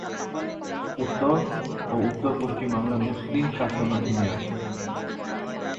উত্তর ও উত্তর-পশ্চিম বাংলা মুসলিম শাসনাধীনে আসে।